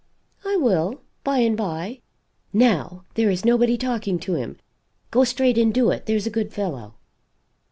"I will, by and by. Now there is nobody talking to him. Go straight and do it, there's a good fellow."